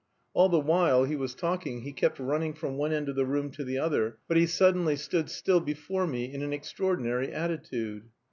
All the while he was talking he kept running from one end of the room to the other, but he suddenly stood still before me in an extraordinary attitude.